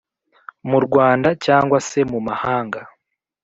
mu rwanda cyangwa se mu mahanga